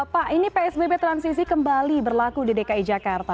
pak ini psbb transisi kembali berlaku di dki jakarta